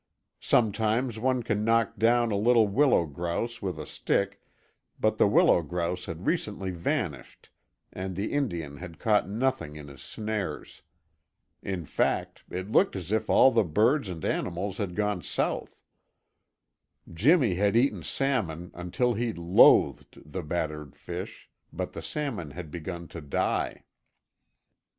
Sometimes one can knock down a little willow grouse with a stick, but the willow grouse had recently vanished and the Indian had caught nothing in his snares. In fact, it looked as if all the birds and animals had gone south. Jimmy had eaten salmon until he loathed the battered fish, but the salmon had begun to die.